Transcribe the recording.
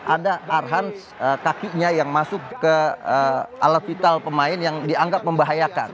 ada arhan kakinya yang masuk ke alat vital pemain yang dianggap membahayakan